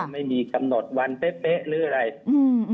ไม่มีคำหนดวันเป๊ะหรืออะไรอืมอืม